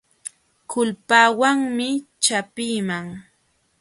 Kulpawanmi chapiiman.